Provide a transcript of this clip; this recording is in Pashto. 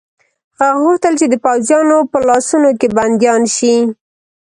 هغه غوښتل چې د پوځیانو په لاسونو کې بندیان شي.